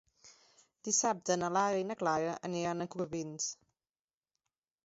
Dissabte na Lara i na Clara aniran a Corbins.